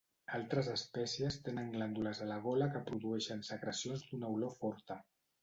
Altres espècies tenen glàndules a la gola que produeixen secrecions d'una olor forta.